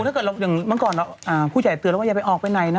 ถ้าเกิดเราอย่างเมื่อก่อนผู้ใหญ่เตือนแล้วว่าอย่าไปออกไปไหนนะ